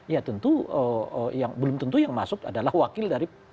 ya tentu yang belum tentu yang masuk adalah wakil dari